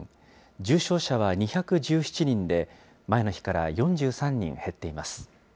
重症者は２１７人で、前の日から４３人減っています。